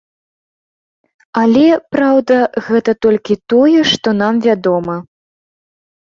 Але, праўда, гэта толькі тое, што нам вядома.